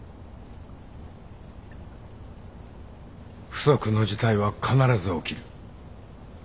不測の事態は必ず起きる。